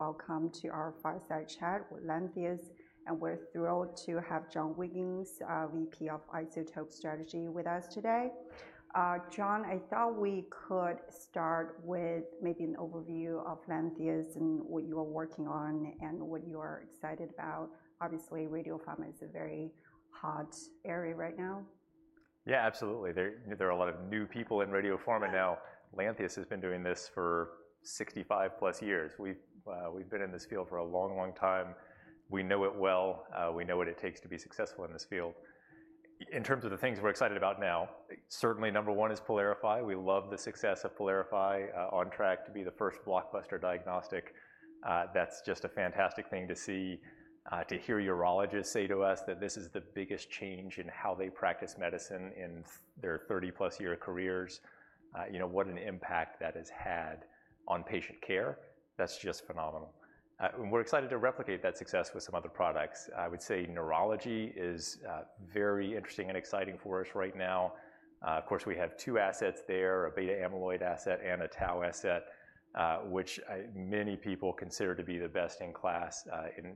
Welcome to our Fireside Chat with Lantheus, and we're thrilled to have John Wiggins, VP of Isotope Strategy, with us today. John, I thought we could start with maybe an overview of Lantheus and what you are working on and what you are excited about. Obviously, radiopharma is a very hot area right now. Yeah, absolutely. There, you know, there are a lot of new people in radiopharma now. Lantheus has been doing this for 65+ years. We've, we've been in this field for a long, long time. We know it well. We know what it takes to be successful in this field. In terms of the things we're excited about now, certainly number one is PYLARIFY. We love the success of PYLARIFY, on track to be the first blockbuster diagnostic. That's just a fantastic thing to see, to hear urologists say to us that this is the biggest change in how they practice medicine in their 30+ year careers. You know, what an impact that has had on patient care, that's just phenomenal. And we're excited to replicate that success with some other products. I would say neurology is very interesting and exciting for us right now. Of course, we have two assets there, a Beta amyloid asset and a Tau asset, which many people consider to be the best in class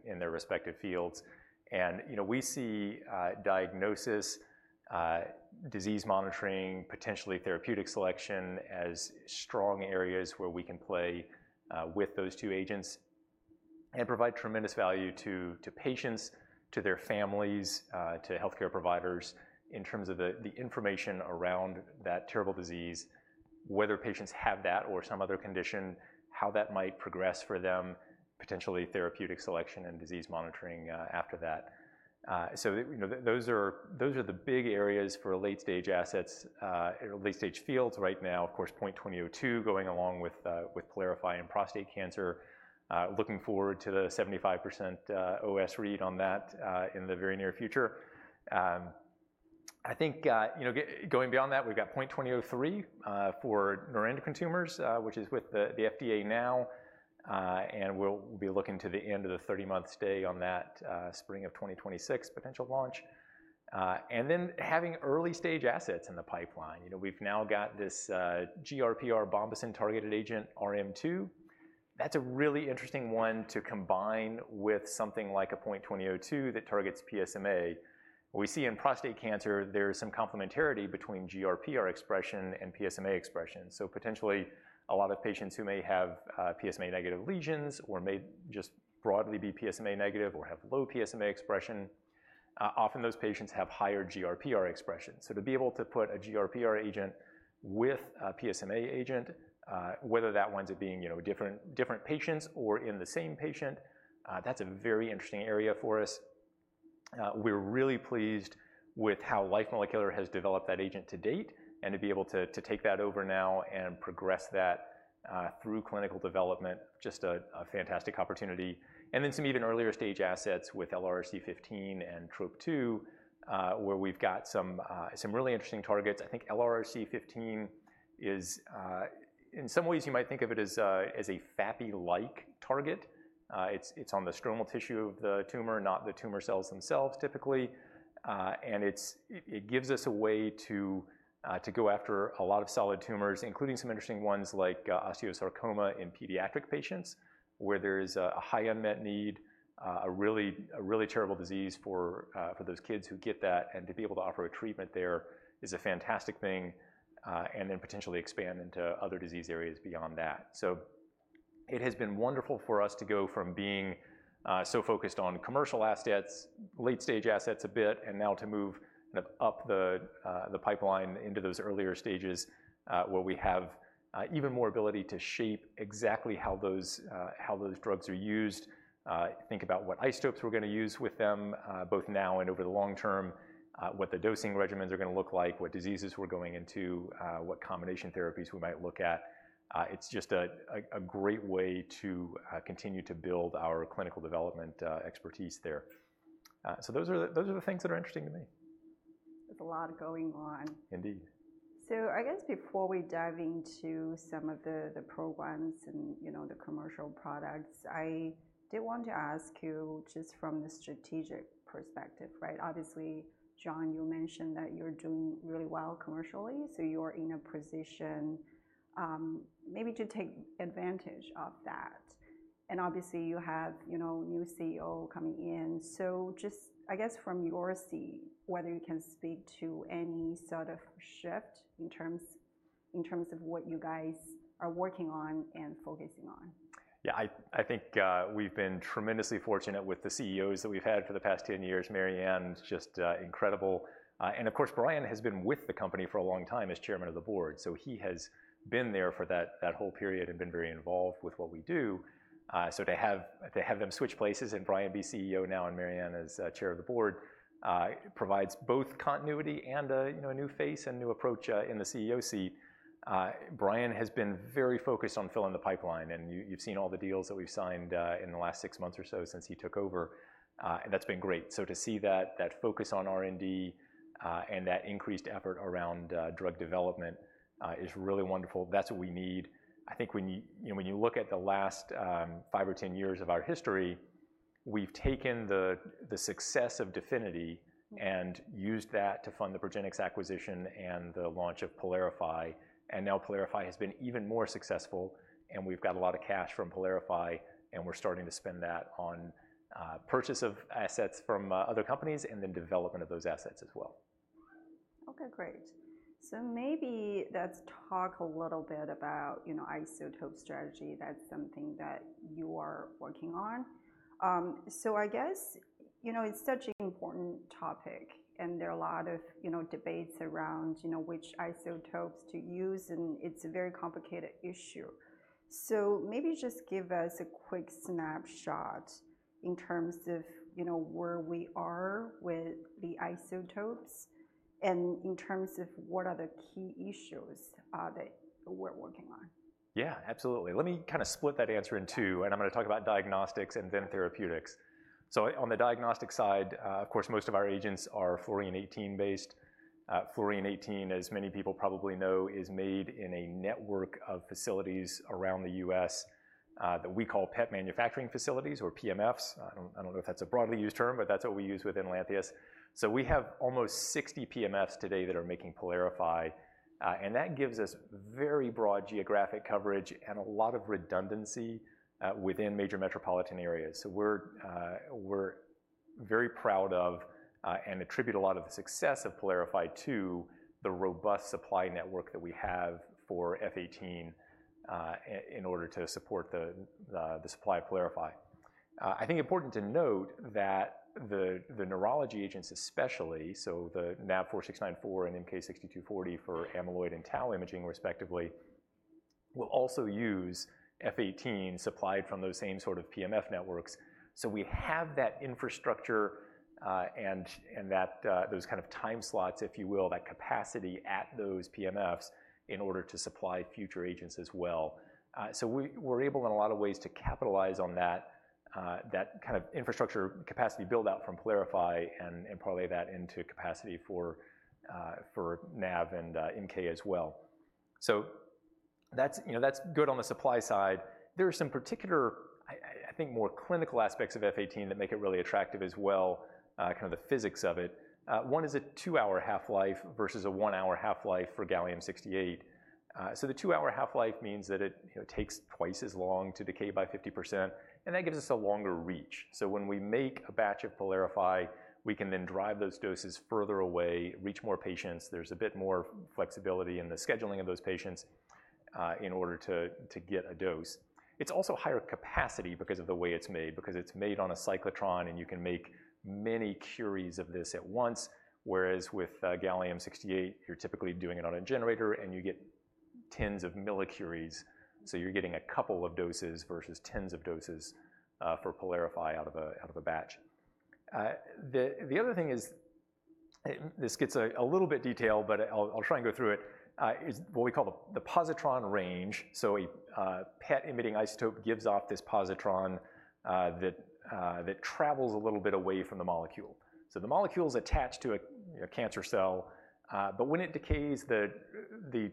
in their respective fields, and you know, we see diagnosis, disease monitoring, potentially therapeutic selection as strong areas where we can play with those two agents and provide tremendous value to patients, to their families, to healthcare providers in terms of the information around that terrible disease, whether patients have that or some other condition, how that might progress for them, potentially therapeutic selection and disease monitoring after that, so you know, those are the big areas for late stage assets, late stage fields right now. Of course, PNT2002 going along with PYLARIFY and prostate cancer. Looking forward to the 75% OS read on that in the very near future. I think, you know, going beyond that, we've got PNT2003 for neuroendocrine tumors, which is with the FDA now. And we'll be looking to the end of the thirty-month stay on that, spring of 2026 potential launch. And then having early-stage assets in the pipeline. You know, we've now got this GRPR bombesin targeted agent, RM2. That's a really interesting one to combine with something like a PNT2002 that targets PSMA. We see in prostate cancer, there's some complementarity between GRPR expression and PSMA expression, so potentially a lot of patients who may have PSMA-negative lesions or may just broadly be PSMA negative or have low PSMA expression, often those patients have higher GRPR expression. So to be able to put a GRPR agent with a PSMA agent, whether that winds up being, you know, different patients or in the same patient, that's a very interesting area for us. We're really pleased with how Life Molecular has developed that agent to date and to be able to take that over now and progress that through clinical development, just a fantastic opportunity. And then some even earlier stage assets with LRRC15 and Trop-2, where we've got some really interesting targets. I think LRRC15 is... In some ways, you might think of it as a FAPI-like target. It's on the stromal tissue of the tumor, not the tumor cells themselves, typically. And it gives us a way to go after a lot of solid tumors, including some interesting ones like osteosarcoma in pediatric patients, where there's a high unmet need, a really terrible disease for those kids who get that. And to be able to offer a treatment there is a fantastic thing, and then potentially expand into other disease areas beyond that. So it has been wonderful for us to go from being so focused on commercial assets, late-stage assets a bit, and now to move up the pipeline into those earlier stages, where we have even more ability to shape exactly how those drugs are used. Think about what isotopes we're gonna use with them, both now and over the long term, what the dosing regimens are gonna look like, what diseases we're going into, what combination therapies we might look at. It's just a great way to continue to build our clinical development expertise there. So those are the things that are interesting to me. There's a lot going on. Indeed. So I guess before we dive into some of the programs and, you know, the commercial products, I did want to ask you just from the strategic perspective, right? Obviously, John, you mentioned that you're doing really well commercially, so you're in a position, maybe to take advantage of that. And obviously, you have, you know, new CEO coming in. So just, I guess, from your seat, whether you can speak to any sort of shift in terms of what you guys are working on and focusing on. Yeah, I think we've been tremendously fortunate with the CEOs that we've had for the past 10 years. Mary Anne's just incredible. And of course, Brian has been with the company for a long time as chairman of the board, so he has been there for that whole period and been very involved with what we do. So to have them switch places, and Brian be CEO now, and Mary Anne as chair of the board provides both continuity and a, you know, a new face and new approach in the CEO seat. Brian has been very focused on filling the pipeline, and you've seen all the deals that we've signed in the last six months or so since he took over, and that's been great. So to see that focus on R&D, and that increased effort around drug development, is really wonderful. That's what we need. I think when you... You know, when you look at the last five or 10 years of our history, we've taken the success of DEFINITY and used that to fund the Progenics acquisition and the launch of PYLARIFY, and now PYLARIFY has been even more successful, and we've got a lot of cash from PYLARIFY, and we're starting to spend that on purchase of assets from other companies, and then development of those assets as well. Okay, great. So maybe let's talk a little bit about, you know, isotope strategy. That's something that you are working on. So I guess, you know, it's such an important topic, and there are a lot of, you know, debates around, you know, which isotopes to use, and it's a very complicated issue. So maybe just give us a quick snapshot in terms of, you know, where we are with the isotopes and in terms of what are the key issues that we're working on. Yeah, absolutely. Let me kind of split that answer in two, and I'm gonna talk about diagnostics and then therapeutics. So on the diagnostic side, of course, most of our agents are fluorine-18 based. Fluorine-18, as many people probably know, is made in a network of facilities around the U.S., that we call PET manufacturing facilities or PMFs. I don't know if that's a broadly used term, but that's what we use within Lantheus. So we have almost 60 PMFs today that are making PYLARIFY, and that gives us very broad geographic coverage and a lot of redundancy, within major metropolitan areas. So we're very proud of, and attribute a lot of the success of PYLARIFY to the robust supply network that we have for F-18, in order to support the supply of PYLARIFY. I think important to note that the neurology agents especially, so the NAV-4694 and MK-6240 for amyloid and tau imaging, respectively, will also use F-18 supplied from those same sort of PMF networks. So we have that infrastructure, and that those kind of time slots, if you will, that capacity at those PMFs in order to supply future agents as well. So we're able, in a lot of ways, to capitalize on that, that kind of infrastructure capacity build-out from PYLARIFY and parlay that into capacity for NAV and MK as well. So that's, you know, that's good on the supply side. There are some particular, I think, more clinical aspects of F-18 that make it really attractive as well, kind of the physics of it. One is a two-hour half-life versus a one-hour half-life for gallium-68. So the two-hour half-life means that it, you know, takes twice as long to decay by 50%, and that gives us a longer reach. So when we make a batch of PYLARIFY, we can then drive those doses further away, reach more patients. There's a bit more flexibility in the scheduling of those patients, in order to get a dose. It's also higher capacity because of the way it's made, because it's made on a cyclotron, and you can make many curies of this at once, whereas with gallium-68, you're typically doing it on a generator, and you get tens of millicuries. So you're getting a couple of doses versus tens of doses for PYLARIFY out of a batch. The other thing is, this gets a little bit detailed, but I'll try and go through it, is what we call the positron range. So a PET-emitting isotope gives off this positron that travels a little bit away from the molecule. So the molecule's attached to a cancer cell, but when it decays, the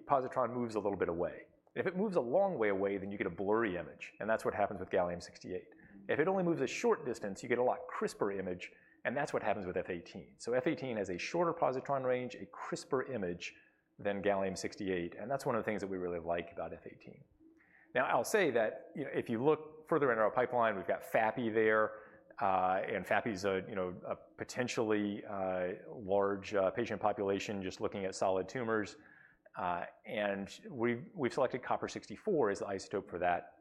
positron moves a little bit away. If it moves a long way away, then you get a blurry image, and that's what happens with gallium-68. If it only moves a short distance, you get a lot crisper image, and that's what happens with F-18. So F-18 has a shorter positron range, a crisper image than gallium-68, and that's one of the things that we really like about F-18. Now, I'll say that, you know, if you look further into our pipeline, we've got FAPI there, and FAPI is a, you know, a potentially, large, patient population, just looking at solid tumors. And we've selected copper-64 as the isotope for that.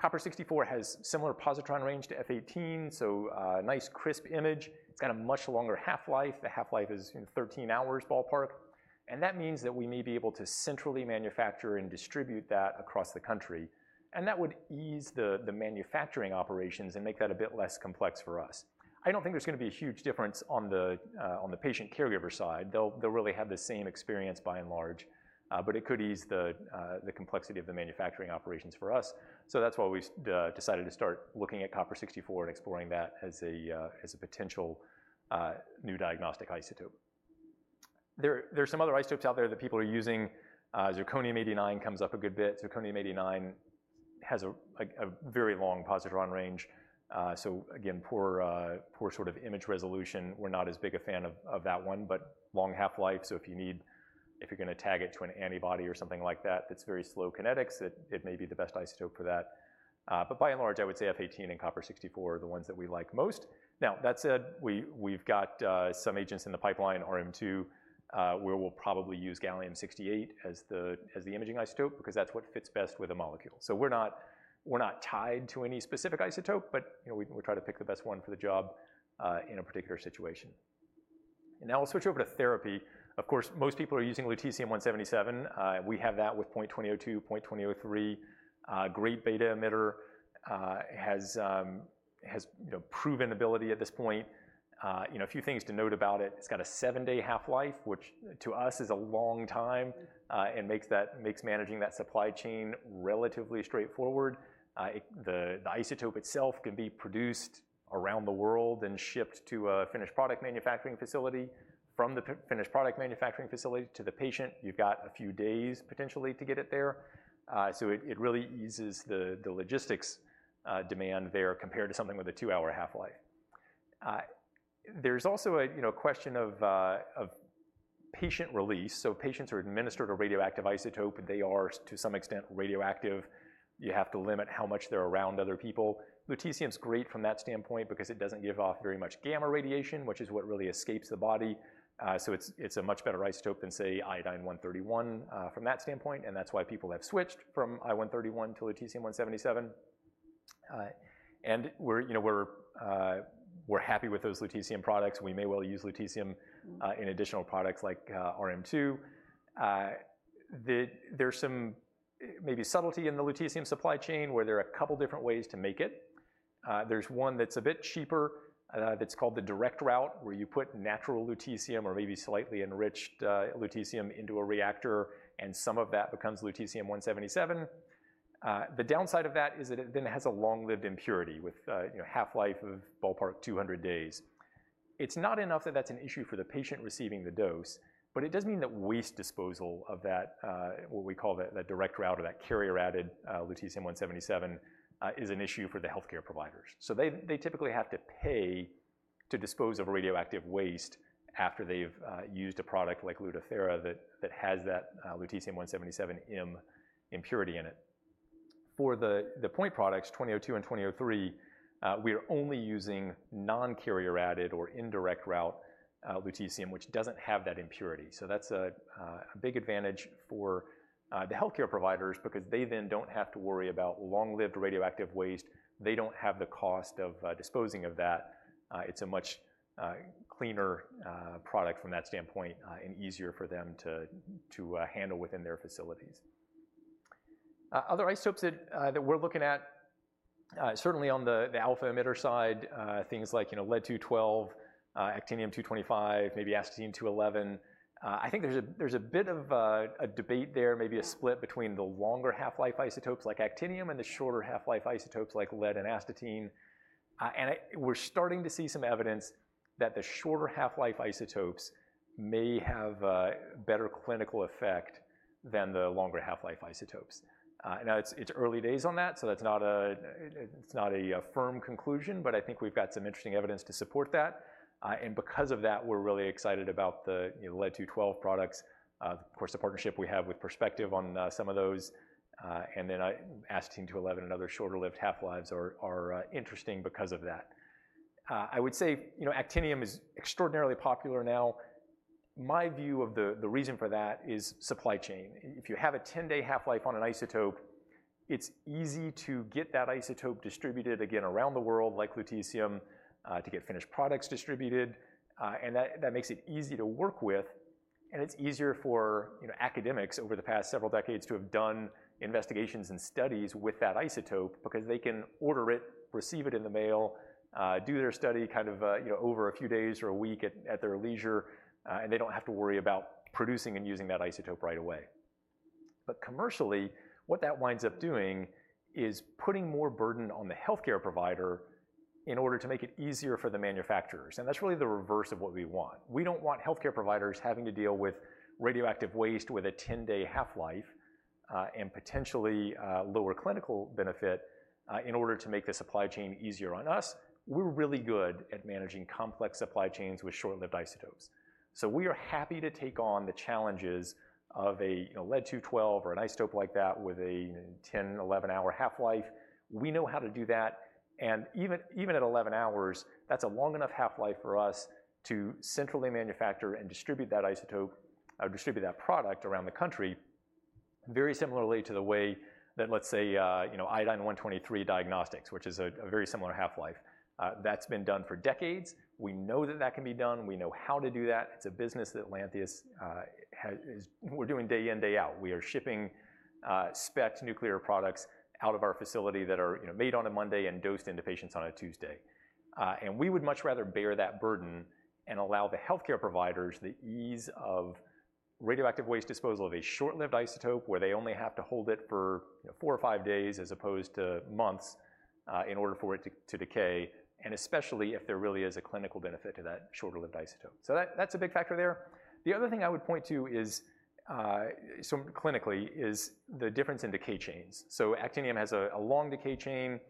Copper-64 has similar positron range to F-18, so a nice, crisp image. It's got a much longer half-life. The half-life is in thirteen hours, ballpark, and that means that we may be able to centrally manufacture and distribute that across the country, and that would ease the manufacturing operations and make that a bit less complex for us. I don't think there's gonna be a huge difference on the on the patient caregiver side. They'll really have the same experience by and large, but it could ease the complexity of the manufacturing operations for us. So that's why we decided to start looking at copper-64 and exploring that as a potential new diagnostic isotope. There are some other isotopes out there that people are using. Zirconium-89 comes up a good bit. Zirconium-89 has, like, a very long positron range. So again, poor sort of image resolution. We're not as big a fan of that one, but long half-life, so if you need... If you're gonna tag it to an antibody or something like that, that's very slow kinetics, it may be the best isotope for that. But by and large, I would say F-18 and copper-64 are the ones that we like most. Now, that said, we've got some agents in the pipeline, RM two, where we'll probably use gallium-68 as the imaging isotope because that's what fits best with the molecule. So we're not tied to any specific isotope, but, you know, we try to pick the best one for the job in a particular situation. And now I'll switch over to therapy. Of course, most people are using lutetium-177. We have that with PNT2002, PNT2003. Great beta emitter. Has proven ability at this point. You know, a few things to note about it, it's got a seven-day half-life, which to us is a long time, and makes managing that supply chain relatively straightforward. The isotope itself can be produced around the world and shipped to a finished product manufacturing facility. From the finished product manufacturing facility to the patient, you've got a few days potentially to get it there. So it really eases the logistics demand there compared to something with a two-hour half-life. There's also a, you know, question of patient release, so patients are administered a radioactive isotope, and they are, to some extent, radioactive. You have to limit how much they're around other people. Lutetium is great from that standpoint because it doesn't give off very much gamma radiation, which is what really escapes the body. So it's a much better isotope than, say, iodine-131 from that standpoint, and that's why people have switched from I-131 to lutetium-177. And we're, you know, happy with those lutetium products. We may well use lutetium in additional products like RM2. There's some maybe subtlety in the lutetium supply chain, where there are a couple of different ways to make it. There's one that's a bit cheaper, that's called the direct route, where you put natural lutetium or maybe slightly enriched lutetium into a reactor, and some of that becomes Lutetium-177. The downside of that is that it then has a long-lived impurity with a half-life of ballpark two hundred days. It's not enough that that's an issue for the patient receiving the dose, but it does mean that waste disposal of that, what we call the direct route or that carrier-added Lutetium-177, is an issue for the healthcare providers. So they typically have to pay to dispose of a radioactive waste after they've used a product like Lutathera that has that lutetium-177 impurity in it. For the point products, 2002 and 2003, we are only using non-carrier-added or indirect route lutetium, which doesn't have that impurity. So that's a big advantage for the healthcare providers because they then don't have to worry about long-lived radioactive waste. They don't have the cost of disposing of that. It's a much cleaner product from that standpoint and easier for them to handle within their facilities. Other isotopes that we're looking at, certainly on the alpha emitter side, things like, you know, lead-212, actinium-225, maybe astatine-211. I think there's a bit of a debate there, maybe a split between the longer half-life isotopes like actinium and the shorter half-life isotopes like lead and astatine. We're starting to see some evidence that the shorter half-life isotopes may have a better clinical effect than the longer half-life isotopes. Now it's early days on that, so that's not a firm conclusion, but I think we've got some interesting evidence to support that. Because of that, we're really excited about the, you know, lead-212 products, of course, the partnership we have with Perspective on some of those, and then astatine-211 and other shorter-lived half-lives are interesting because of that. I would say, you know, actinium is extraordinarily popular now. My view of the reason for that is supply chain. If you have a ten-day half-life on an isotope, it's easy to get that isotope distributed again around the world, like lutetium, to get finished products distributed, and that makes it easy to work with, and it's easier for, you know, academics over the past several decades to have done investigations and studies with that isotope because they can order it, receive it in the mail, do their study, kind of, you know, over a few days or a week at their leisure, and they don't have to worry about producing and using that isotope right away. But commercially, what that winds up doing is putting more burden on the healthcare provider in order to make it easier for the manufacturers, and that's really the reverse of what we want. We don't want healthcare providers having to deal with radioactive waste with a ten-day half-life, and potentially, lower clinical benefit, in order to make the supply chain easier on us. We're really good at managing complex supply chains with short-lived isotopes, so we are happy to take on the challenges of a, you know, lead-212 or an isotope like that with a ten, eleven-hour half-life. We know how to do that, and even at 11 hours, that's a long enough half-life for us to centrally manufacture and distribute that isotope, distribute that product around the country, very similarly to the way that, let's say, you know, iodine-123 diagnostics, which is a very similar half-life. That's been done for decades. We know that that can be done. We know how to do that. It's a business that Lantheus, we're doing day in, day out. We are shipping SPECT nuclear products out of our facility that are, you know, made on a Monday and dosed into patients on a Tuesday. And we would much rather bear that burden and allow the healthcare providers the ease of radioactive waste disposal of a short-lived isotope, where they only have to hold it for, you know, four or five days, as opposed to months, in order for it to decay, and especially if there really is a clinical benefit to that shorter-lived isotope. So that, that's a big factor there. The other thing I would point to is, so clinically, is the difference in decay chains. So actinium has a long decay chain,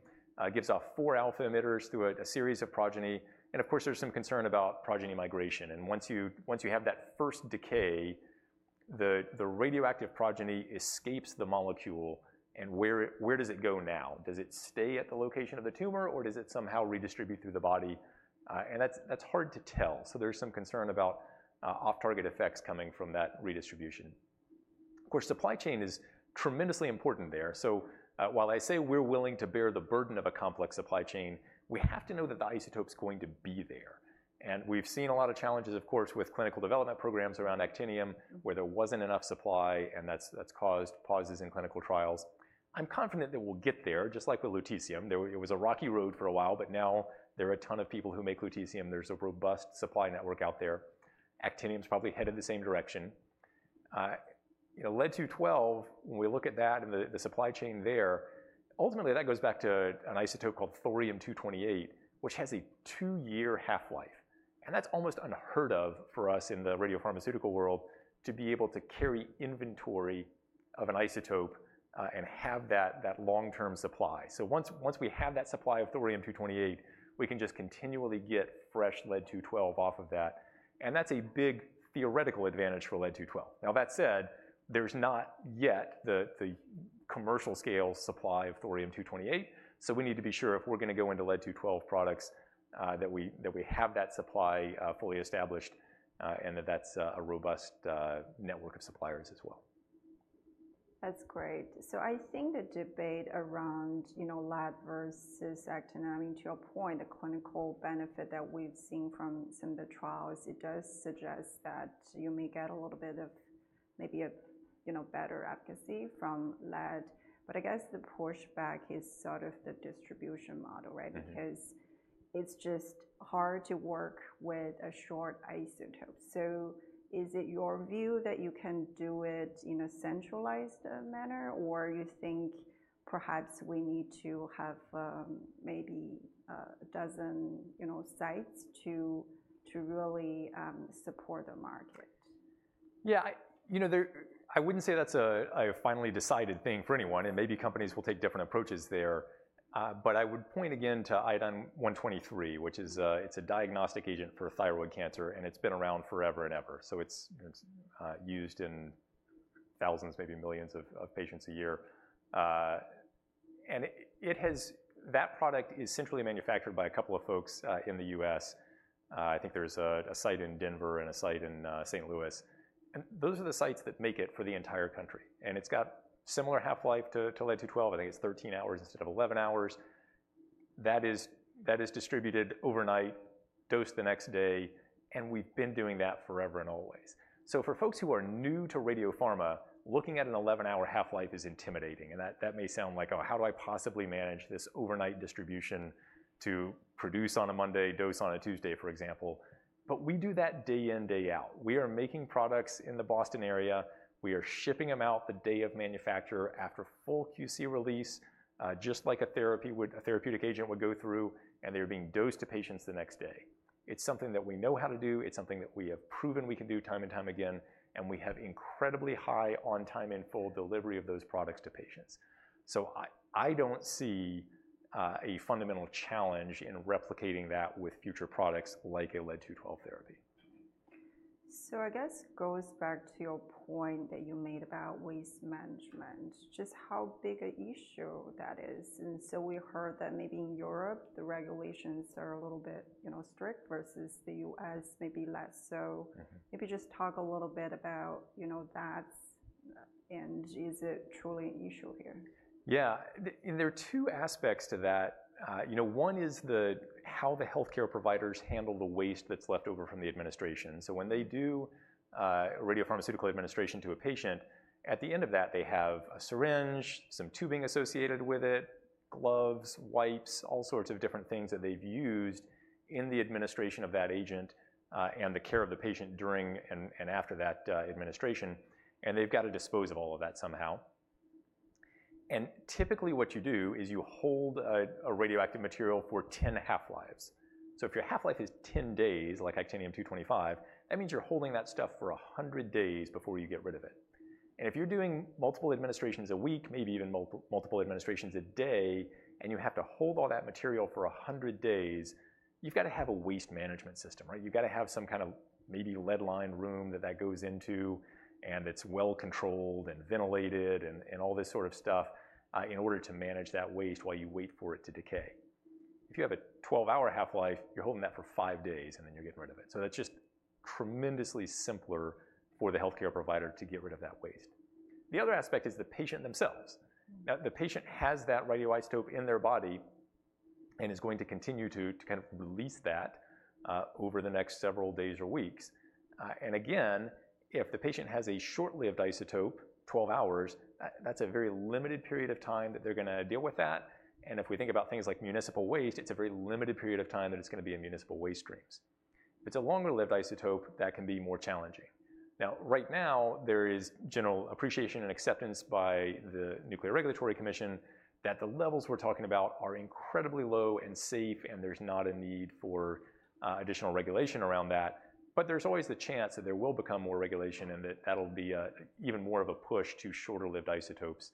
gives off four alpha emitters through a series of progeny, and of course, there's some concern about progeny migration. And once you have that first decay, the radioactive progeny escapes the molecule, and where it- where does it go now? Does it stay at the location of the tumor, or does it somehow redistribute through the body? And that's hard to tell, so there's some concern about off-target effects coming from that redistribution. Of course, supply chain is tremendously important there, so while I say we're willing to bear the burden of a complex supply chain, we have to know that the isotope's going to be there. We've seen a lot of challenges, of course, with clinical development programs around actinium, where there wasn't enough supply, and that's caused pauses in clinical trials. I'm confident that we'll get there, just like with lutetium. There it was a rocky road for a while, but now there are a ton of people who make lutetium. There's a robust supply network out there. Actinium is probably headed in the same direction. You know, lead-212, when we look at that and the supply chain there, ultimately that goes back to an isotope called thorium-228, which has a two-year half-life, and that's almost unheard of for us in the radiopharmaceutical world, to be able to carry inventory of an isotope, and have that long-term supply. So once we have that supply of Thorium-228, we can just continually get fresh Lead-212 off of that, and that's a big theoretical advantage for Lead-212. Now, that said, there's not yet the commercial scale supply of Thorium-228, so we need to be sure if we're gonna go into Lead-212 products, that we have that supply fully established, and that that's a robust network of suppliers as well. That's great. So I think the debate around, you know, lead versus actinium, I mean, to your point, the clinical benefit that we've seen from some of the trials, it does suggest that you may get a little bit of maybe a, you know, better efficacy from lead. But I guess the pushback is sort of the distribution model, right? Mm-hmm. Because it's just hard to work with a short isotope. So is it your view that you can do it in a centralized manner, or you think perhaps we need to have maybe a dozen, you know, sites to really support the market? Yeah, you know, I wouldn't say that's a finally decided thing for anyone, and maybe companies will take different approaches there. But I would point again to Iodine-123, which is, it's a diagnostic agent for thyroid cancer, and it's been around forever and ever. So it's, it's used in thousands, maybe millions of patients a year. And it has... That product is centrally manufactured by a couple of folks in the U.S.. I think there's a site in Denver and a site in St. Louis, and those are the sites that make it for the entire country, and it's got similar half-life to Lead-212. I think it's 13 hours instead of 11 hours. That is distributed overnight, dosed the next day, and we've been doing that forever and always. So for folks who are new to radiopharma, looking at an eleven-hour half-life is intimidating, and that may sound like, "Oh, how do I possibly manage this overnight distribution to produce on a Monday, dose on a Tuesday," for example. But we do that day in, day out. We are making products in the Boston area. We are shipping them out the day of manufacture after full QC release, just like a therapy would, a therapeutic agent would go through, and they're being dosed to patients the next day. It's something that we know how to do. It's something that we have proven we can do time and time again, and we have incredibly high on-time and full delivery of those products to patients. So I don't see a fundamental challenge in replicating that with future products like a lead-212 therapy. So I guess it goes back to your point that you made about waste management, just how big an issue that is. And so we heard that maybe in Europe, the regulations are a little bit, you know, strict versus the U.S., maybe less so. Mm-hmm. Maybe just talk a little bit about, you know, that, and is it truly an issue here? Yeah. And there are two aspects to that. You know, one is the how the healthcare providers handle the waste that's left over from the administration. So when they do radiopharmaceutical administration to a patient, at the end of that, they have a syringe, some tubing associated with it, gloves, wipes, all sorts of different things that they've used in the administration of that agent, and the care of the patient during and after that administration, and they've got to dispose of all of that somehow. And typically, what you do is you hold a radioactive material for ten half-lives. So if your half-life is 10 days, like Actinium-225, that means you're holding that stuff for 100 days before you get rid of it. If you're doing multiple administrations a week, maybe even multiple administrations a day, and you have to hold all that material for 100 days, you've got to have a waste management system, right? You've got to have some kind of maybe lead-lined room that goes into, and it's well-controlled and ventilated and all this sort of stuff in order to manage that waste while you wait for it to decay. If you have a twelve-hour half-life, you're holding that for five days, and then you're getting rid of it. So that's just tremendously simpler for the healthcare provider to get rid of that waste. The other aspect is the patient themselves. Now, the patient has that radioisotope in their body and is going to continue to kind of release that over the next several days or weeks. And again, if the patient has a short-lived isotope, twelve hours, that's a very limited period of time that they're gonna deal with that. And if we think about things like municipal waste, it's a very limited period of time that it's gonna be in municipal waste streams. If it's a longer-lived isotope, that can be more challenging. Now, right now, there is general appreciation and acceptance by the Nuclear Regulatory Commission that the levels we're talking about are incredibly low and safe, and there's not a need for additional regulation around that. But there's always the chance that there will become more regulation, and that that'll be even more of a push to shorter-lived isotopes,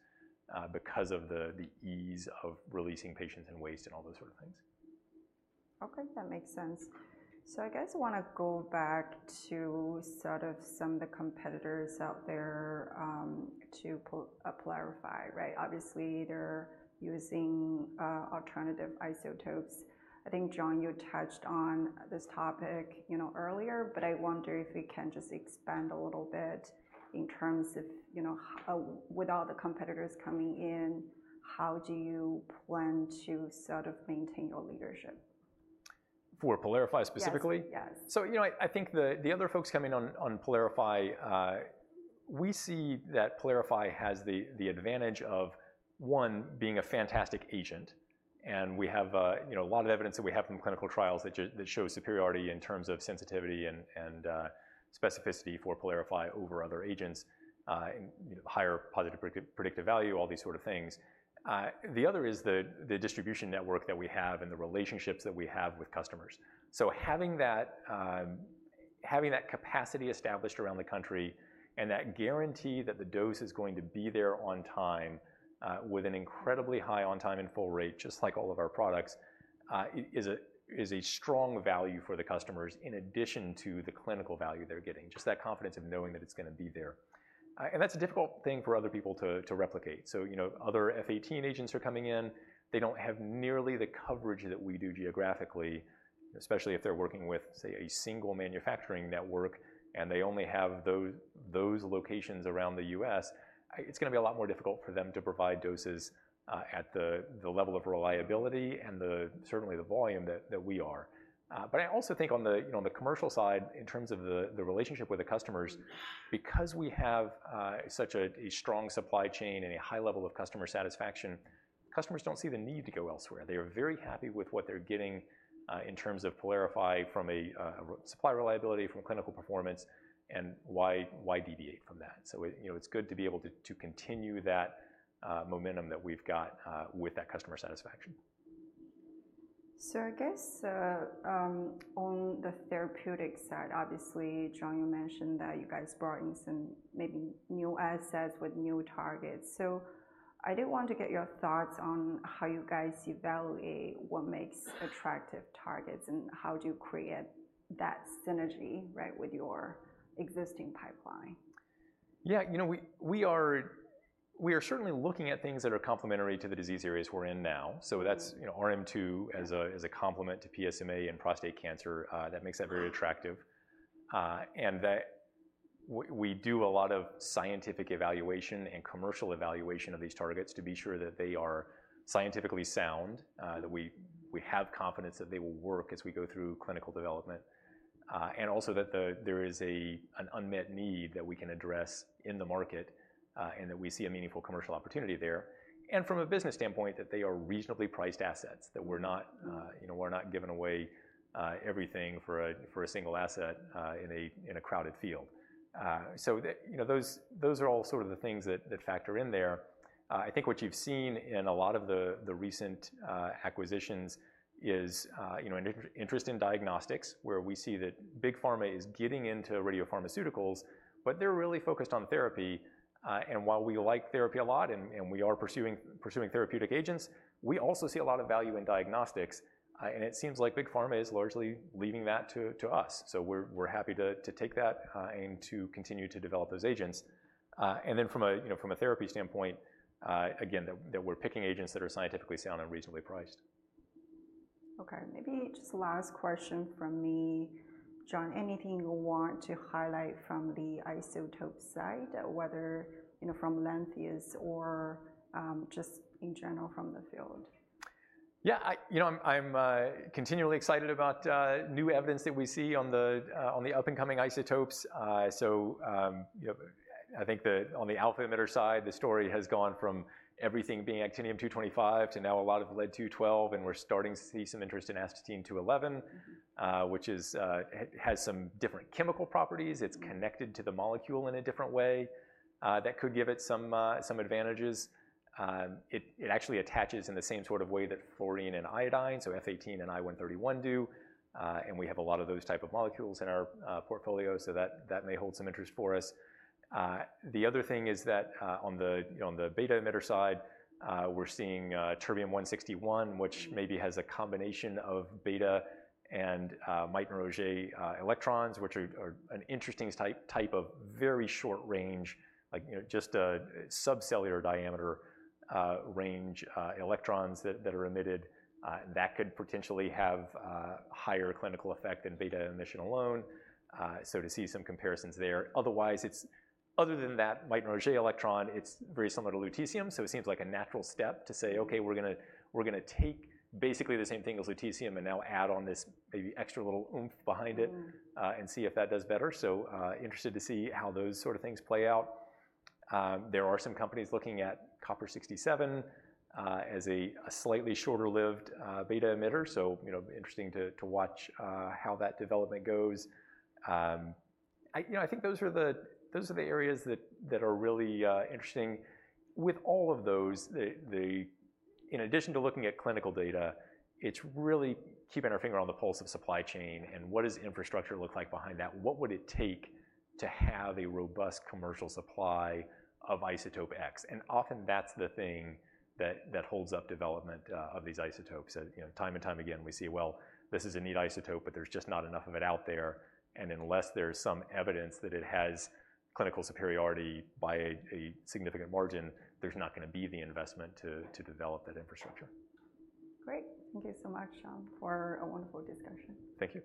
because of the ease of releasing patients and waste and all those sort of things. Okay, that makes sense. So I guess I wanna go back to sort of some of the competitors out there to PYLARIFY, right? Obviously, they're using alternative isotopes. I think, John, you touched on this topic, you know, earlier, but I wonder if you can just expand a little bit in terms of, you know, how with all the competitors coming in, how do you plan to sort of maintain your leadership? For PYLARIFY specifically? Yes, yes. So, you know, I think the other folks coming on PYLARIFY, we see that PYLARIFY has the advantage of, one, being a fantastic agent, and we have, you know, a lot of evidence that we have from clinical trials that show superiority in terms of sensitivity and specificity for PYLARIFY over other agents, and, you know, higher positive predictive value, all these sort of things. The other is the distribution network that we have and the relationships that we have with customers. So having that... Having that capacity established around the country, and that guarantee that the dose is going to be there on time, with an incredibly high on-time and full rate, just like all of our products, is a strong value for the customers in addition to the clinical value they're getting, just that confidence of knowing that it's gonna be there. And that's a difficult thing for other people to replicate. So, you know, other F-18 agents are coming in. They don't have nearly the coverage that we do geographically, especially if they're working with, say, a single manufacturing network, and they only have those locations around the U.S.. It's gonna be a lot more difficult for them to provide doses at the level of reliability and certainly the volume that we are. But I also think on the, you know, on the commercial side, in terms of the relationship with the customers, because we have such a strong supply chain and a high level of customer satisfaction, customers don't see the need to go elsewhere. They are very happy with what they're getting in terms of PYLARIFY from a supply reliability, from clinical performance, and why deviate from that? So it, you know, it's good to be able to continue that momentum that we've got with that customer satisfaction. I guess, on the therapeutic side, obviously, John, you mentioned that you guys brought in some maybe new assets with new targets. I did want to get your thoughts on how you guys evaluate what makes attractive targets, and how do you create that synergy, right, with your existing pipeline? Yeah, you know, we are certainly looking at things that are complementary to the disease areas we're in now. So that's, you know, RM two as a complement to PSMA and prostate cancer, that makes that very attractive. And that we do a lot of scientific evaluation and commercial evaluation of these targets to be sure that they are scientifically sound, that we have confidence that they will work as we go through clinical development, and also that there is an unmet need that we can address in the market, and that we see a meaningful commercial opportunity there. And from a business standpoint, that they are reasonably priced assets, that we're not- Mm... you know, we're not giving away everything for a single asset in a crowded field. So, you know, those are all sort of the things that factor in there. I think what you've seen in a lot of the recent acquisitions is, you know, interest in diagnostics, where we see that Big Pharma is getting into radiopharmaceuticals, but they're really focused on therapy. And while we like therapy a lot, and we are pursuing therapeutic agents, we also see a lot of value in diagnostics, and it seems like Big Pharma is largely leaving that to us. So we're happy to take that and to continue to develop those agents. And then from a, you know, from a therapy standpoint, again, that we're picking agents that are scientifically sound and reasonably priced. Okay, maybe just last question from me, John. Anything you want to highlight from the isotope side, whether, you know, from Lantheus or, just in general from the field? Yeah, you know, I'm continually excited about new evidence that we see on the up-and-coming isotopes. So, you know, I think on the alpha emitter side, the story has gone from everything being actinium-225 to now a lot of lead-212, and we're starting to see some interest in astatine-211, Mm which has some different chemical properties. It's connected to the molecule in a different way that could give it some advantages. It actually attaches in the same sort of way that fluorine and iodine, so F-18 and I-131 do, and we have a lot of those type of molecules in our portfolio, so that may hold some interest for us. The other thing is that on the beta emitter side, we're seeing terbium-161 which maybe has a combination of beta and Auger electrons, which are an interesting type of very short range, like, you know, just a subcellular diameter range electrons that are emitted that could potentially have higher clinical effect than beta emission alone, so to see some comparisons there. Otherwise, it's other than that, Auger electron, it's very similar to lutetium, so it seems like a natural step to say, "Okay, we're gonna take basically the same thing as lutetium and now add on this maybe extra little oomph behind it- Mm... and see if that does better, so interested to see how those sort of things play out. There are some companies looking at copper-67 as a slightly shorter-lived beta emitter, so you know, interesting to watch how that development goes. You know, I think those are the areas that are really interesting. With all of those, in addition to looking at clinical data, it's really keeping our finger on the pulse of supply chain, and what does infrastructure look like behind that? What would it take to have a robust commercial supply of isotope X? And often, that's the thing that holds up development of these isotopes. You know, time and time again, we see, well, this is a neat isotope, but there's just not enough of it out there, and unless there's some evidence that it has clinical superiority by a significant margin, there's not gonna be the investment to develop that infrastructure. Great. Thank you so much, John, for a wonderful discussion. Thank you.